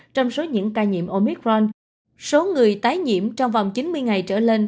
trong số những ca nhiễm omicron số người tái nhiễm trong vòng chín mươi ngày trở lên